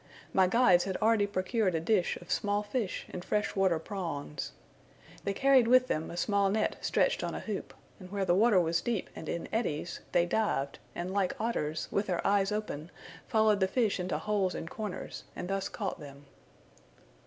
My guides had already procured a dish of small fish and fresh water prawns. They carried with them a small net stretched on a hoop; and where the water was deep and in eddies, they dived, and like otters, with their eyes open followed the fish into holes and corners, and thus caught them.